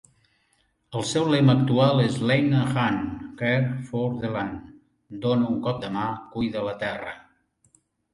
El seu lema actual és "Lend a hand - care for the land!" ("Dona un cop de mà - cuida la terra!")